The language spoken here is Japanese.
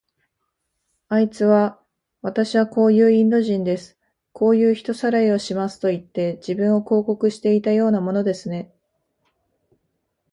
あいつは、わたしはこういうインド人です。こういう人さらいをしますといって、自分を広告していたようなものですね。